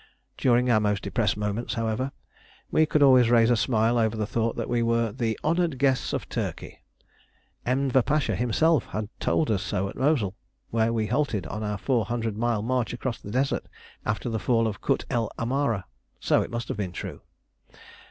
During our most depressed moments, however, we could always raise a smile over the thought that we were "The honoured guests of Turkey." Enver Pasha himself had told us so at Mosul, where we halted on our four hundred mile march across the desert, after the fall of Kut el Amara. So it must have been true.